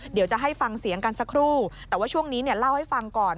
เดี๋ยวจะให้ฟังเสียงกันสักครู่แต่ว่าช่วงนี้เนี่ยเล่าให้ฟังก่อน